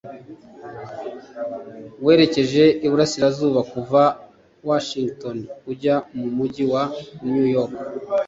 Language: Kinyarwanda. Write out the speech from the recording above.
Werekeje iburasirazuba kuva Washington ujya mu mujyi wa New York